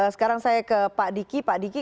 sekarang saya ke pak diki pak diki